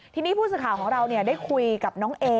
ทีนี้ผู้สื่อข่าวของเราได้คุยกับน้องเอ